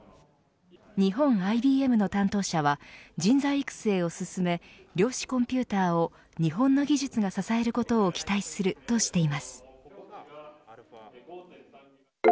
日本ＩＢＭの担当者は人材育成を進め量子コンピューターを日本の技術が支えることを期待するとしています。